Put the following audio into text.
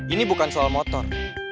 ini bukan soal motor